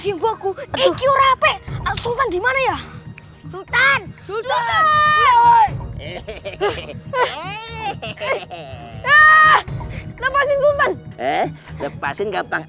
simpulku itu rapi asuhan dimana ya sultan sultan hehehe hehehe hehehe lepasin gampang